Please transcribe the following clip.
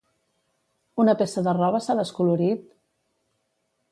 Una peça de roba s'ha descolorit?